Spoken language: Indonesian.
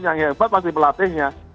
yang hebat pasti pelatihnya